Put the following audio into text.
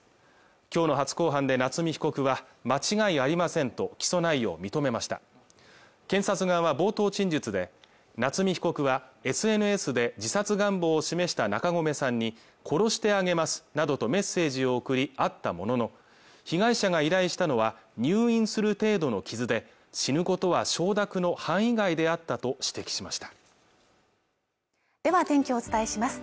今日の初公判で夏見被告は間違いありませんと起訴内容を認めました検察側は冒頭陳述で夏見被告はＳＮＳで自殺願望を示した中込さんに殺してあげますなどとメッセージを送り会ったものの被害者が依頼したのは入院する程度の傷で死ぬことは承諾の範囲外であったと指摘しましたでは天気をお伝えします